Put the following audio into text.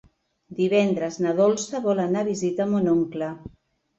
Divendres na Dolça vol anar a visitar mon oncle.